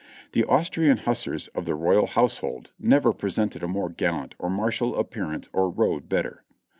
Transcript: The Austrian Hussars of the Royal Household never presented a more gallant or martial appearance or rode better.